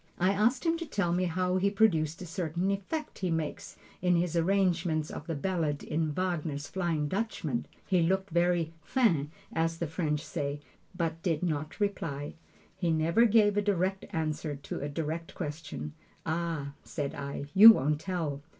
I asked him to tell me how he produced a certain effect he makes in his arrangement of the ballad in Wagner's "Flying Dutchman." He looked very "fin" as the French say, but did not reply. He never gives a direct answer to a direct question. "Ah," said I, "you won't tell."